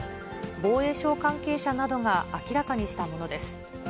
防衛省関係者などが明らかにしたものです。